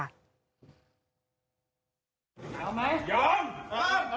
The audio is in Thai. หยอมมั้ยรัก